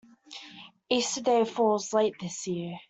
Easter Day falls late this year